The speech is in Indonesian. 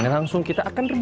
ini langsung kita akan rebus